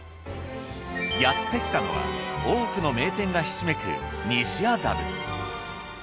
やってきたのは多くの名店がひしめく西麻布。